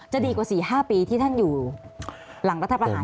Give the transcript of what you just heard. จะดีกว่า๔๕ปีที่ท่านอยู่หลังรัฐภักดิจังไง